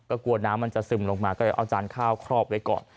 ก็กลัวน้ำมันจะซึมลงมาก็เลยเอาจานข้าวครอบไว้ก่อน